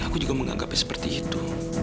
aku juga menganggapnya seperti itu